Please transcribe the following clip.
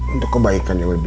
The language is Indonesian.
untuk kebaikan yang lebih baik